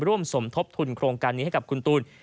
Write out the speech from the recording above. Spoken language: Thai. สมทบทุนโครงการนี้ให้กับคุณตูน